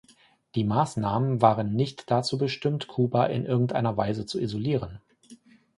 Die Maßnahmen waren nicht dazu bestimmt, Kuba in irgendeiner Weise zu isolieren.